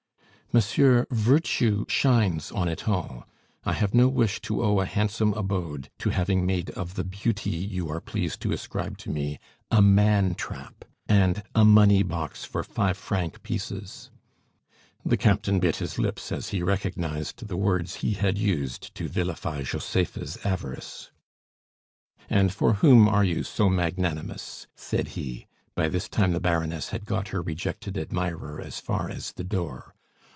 "Monsieur, virtue shines on it all. I have no wish to owe a handsome abode to having made of the beauty you are pleased to ascribe to me a man trap and a money box for five franc pieces!" The captain bit his lips as he recognized the words he had used to vilify Josepha's avarice. "And for whom are you so magnanimous?" said he. By this time the baroness had got her rejected admirer as far as the door.